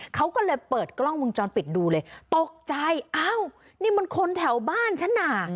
เขาก็เลยเปิดกล้องวงจรปิดดูเลยตกใจอ้าวนี่มันคนแถวบ้านฉันน่ะ